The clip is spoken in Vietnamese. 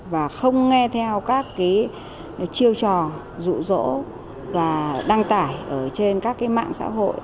và không nghe theo các chiêu trò rụ rỗ và đăng tải trên các mạng xã hội